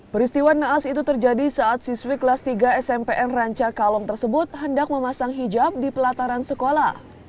peristiwa naas itu terjadi saat siswi kelas tiga smpn ranca kalong tersebut hendak memasang hijab di pelataran sekolah